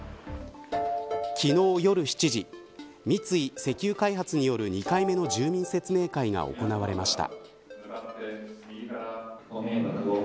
昨日夜７時三井石油開発による２回目の住民説明会が行われました。